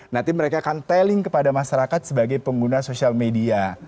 nanti mereka akan teling kepada masyarakat sebagai pengguna sosial media